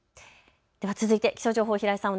では続いて気象情報、平井さん